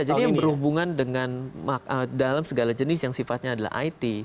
jadi yang berhubungan dengan dalam segala jenis yang sifatnya adalah it